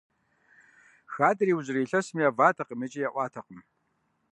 Хадэр иужьрей илъэсым яватэкъым икӀи яӀуатэкъым.